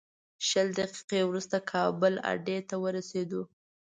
شل دقیقې وروسته کابل اډې ته ورسېدو.